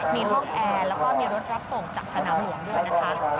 มีห้องแอร์แล้วก็มีรถรับส่งจากสนามหลวงด้วยนะคะ